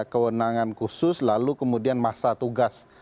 kewenangan khusus lalu kemudian masa tugas